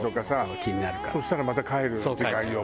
そしたらまた帰る時間よ